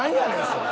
それ。